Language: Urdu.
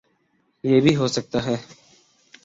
یہ بھی ہوسکتا ہے